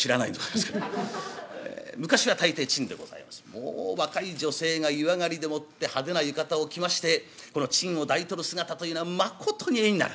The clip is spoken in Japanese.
もう若い女性が湯上がりでもって派手な浴衣を着ましてこのチンを抱いてる姿というのはまことに絵になる。